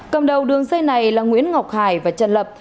cầm đầu đường dây này là nguyễn ngọc hải và trần lập